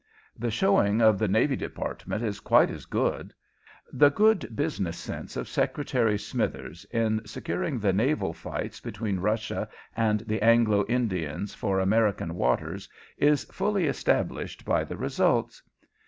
The showing of the Navy Department is quite as good. The good business sense of Secretary Smithers in securing the naval fights between Russia and the Anglo Indians for American waters is fully established by the results.